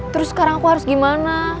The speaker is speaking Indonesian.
terus sekarang aku harus gimana